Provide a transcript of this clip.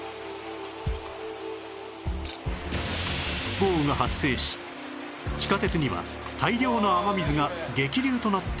豪雨が発生し地下鉄には大量の雨水が激流となって流れ込んだ